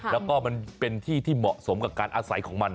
แล้วก็มันเป็นที่ที่เหมาะสมกับการอาศัยของมัน